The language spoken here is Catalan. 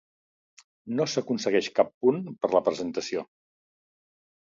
No s'aconsegueix cap punt per la presentació.